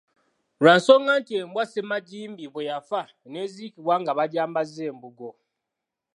Lwa nsonga nti embwa ye ssemajimbi bwe yafa n'eziikibwa nga bagyambazza embugo.